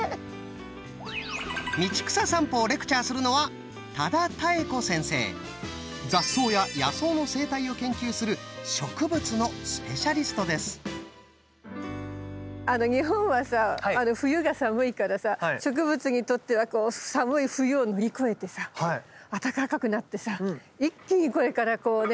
道草さんぽをレクチャーするのは雑草や野草の生態を研究する日本はさ冬が寒いからさ植物にとっては寒い冬を乗り越えてさ暖かくなってさ一気にこれからこうね